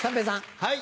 はい。